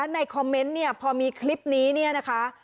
ในคอมเมนต์เนี่ยพอมีคลิปนี้เนี่ยนะคะ